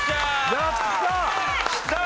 やったー！